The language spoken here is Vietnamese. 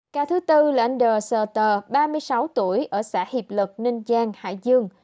cả thứ bốn là anh d s t ba mươi sáu tuổi ở xã hiệp lực ninh giang hải dương